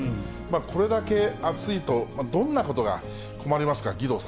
これだけ暑いと、どんなことが困りますか？